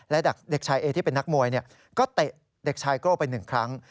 และเด็กชายเอที่เป็นนักมวยก็เตะเด็กชายโก้ไป๑ครั้ง